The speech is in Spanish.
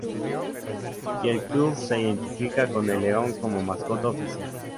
Y el club se identifica con el león como mascota oficial.